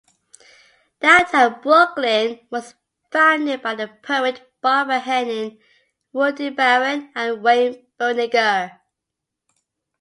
"Downtown Brooklyn" was founded by the poet Barbara Henning, Rudy Baron and Wayne Berninger.